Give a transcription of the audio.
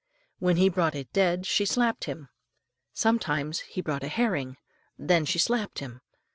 When he brought it dead, she slapped him. Sometimes he brought a herring, then she slapped him.